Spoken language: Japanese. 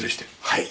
はい。